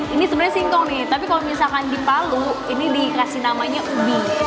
ini sebenarnya singkong nih tapi kalau misalkan di palu ini dikasih namanya ubi